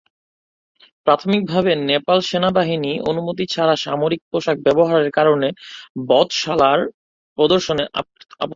প্রাথমিকভাবে নেপাল সেনাবাহিনী অনুমতি ছাড়া সামরিক পোশাক ব্যবহারের কারণে"বধশালা"র প্রদর্শনের আপত্তি জানায়।